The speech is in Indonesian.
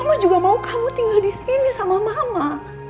mama juga mau kamu tinggal di sini sama mama